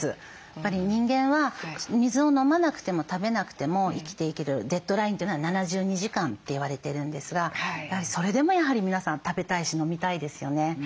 やっぱり人間は水を飲まなくても食べなくても生きていけるデッドラインというのは７２時間って言われてるんですがそれでもやはり皆さん食べたいし飲みたいですよね。